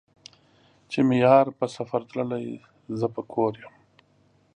چې مې يار په سفر تللے زۀ به کور يم